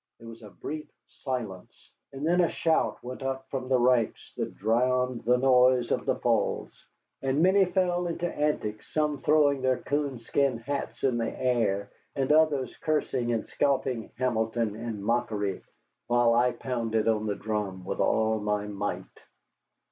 There was a brief silence, and then a shout went up from the ranks that drowned the noise of the Falls, and many fell into antics, some throwing their coonskin hats in the air, and others cursing and scalping Hamilton in mockery, while I pounded on the drum with all my might.